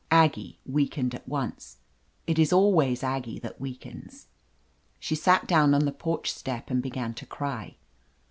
Aggie weakened at once. It is always Aggie that weakens. She sat down on the porch step and began to cry.